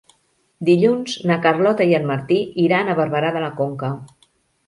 Dilluns na Carlota i en Martí iran a Barberà de la Conca.